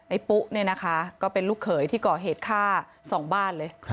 ปุ๊เนี่ยนะคะก็เป็นลูกเขยที่ก่อเหตุฆ่า๒บ้านเลย